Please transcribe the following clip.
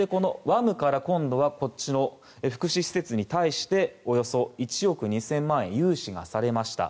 ＷＡＭから福祉施設に対しておよそ１億２０００万円融資がされました。